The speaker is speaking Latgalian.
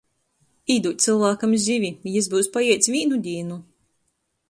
Īdūd cylvākam zivi, i jis byus paieds vīnu dīnu.